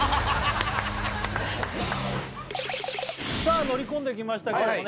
さあ乗り込んできましたけどね